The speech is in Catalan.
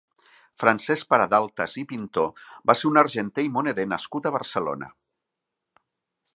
Francesc Paradaltas i Pintó va ser un argenter i moneder nascut a Barcelona.